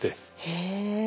へえ。